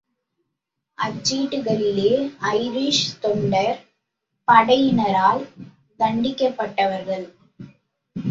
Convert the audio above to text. அச்சீட்டுக்களிலே Irish தொண்டர் படையினரால் தண்டிக்கப்பட்டவர்கள்.